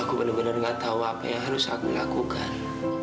aku benar benar gak tahu apa yang harus aku lakukan